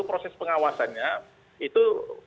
proses pengawasannya itu